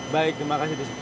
baik terima kasih